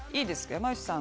山内さん。